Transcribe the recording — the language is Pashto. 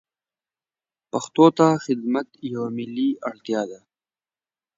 پښتو ته خدمت یوه ملي اړتیا ده.